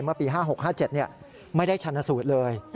เมื่อปี๕๖๕๗ไม่ได้ชันสูตรเลย